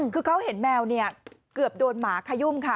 คือเขาเห็นแมวเนี่ยเกือบโดนหมาขยุ่มค่ะ